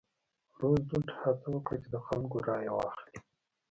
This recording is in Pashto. روزولټ هڅه وکړه چې د خلکو رایه واخلي.